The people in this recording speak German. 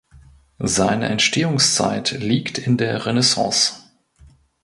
Seine Entstehungszeit liegt in der Renaissance.